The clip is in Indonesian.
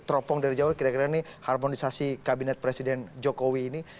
teropong dari jauh kira kira ini harmonisasi kabinet presiden jokowi ini